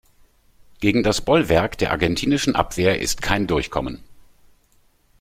Gegen das Bollwerk der argentinischen Abwehr ist kein Durchkommen.